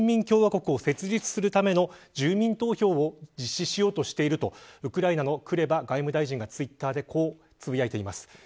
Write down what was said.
共和国を設立するための住民投票を実施しようとしているとウクライナのクレバ外務大臣がツイッターでつぶやいています。